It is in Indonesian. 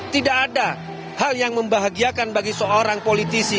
tidak ada hal yang membahagiakan bagi seorang politisi